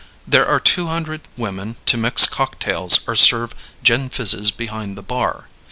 There are 200 women to mix cocktails or serve gin fizzes behind the bar.